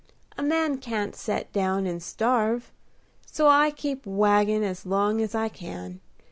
A man can't set down and starve; so I keep waggin' as long as I can.